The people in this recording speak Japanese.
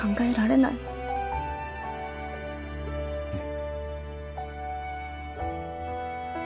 うん。